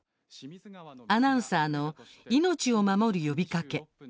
アナウンサーの命を守る呼びかけ。